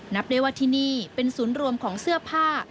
นับได้ว่าที่นี่เป็นศูนย์รวมของเสื้อผ้า